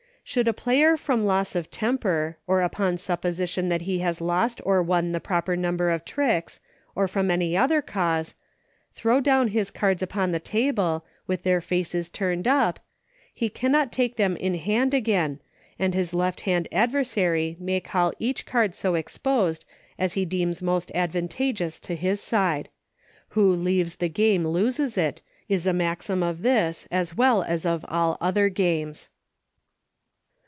Should a player from loss of temper — or LAWS. 103 upon supposition that he has lost or won the proper number of tricks — or from any other cause — throw down his cards upon the table, with their faces turned up, he cannot take them in hand again, and his left hand adver sary may call each card so exposed as he deems most advantageous to his side. Who leaves the game loses it, is a maxim of this as of all other games.